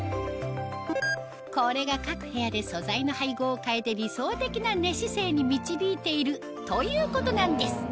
これが各部屋で素材の配合を変えて理想的な寝姿勢に導いているということなんです